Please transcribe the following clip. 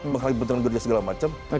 maksudnya diperintahkan gereja segala macam